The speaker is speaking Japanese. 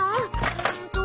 うーんと。